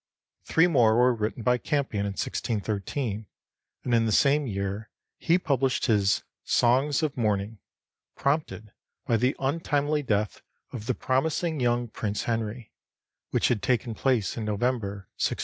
Three more were written by Campion in 1613; and in the same year he published his 'Songs of Mourning,' prompted by the untimely death of the promising young Prince Henry, which had taken place in November, 1612.